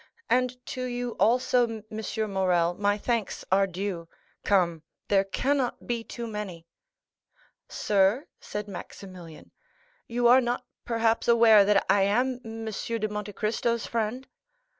"And to you also, M. Morrel, my thanks are due. Come, there cannot be too many." 40248m "Sir," said Maximilian, "you are not perhaps aware that I am M. de Monte Cristo's friend?"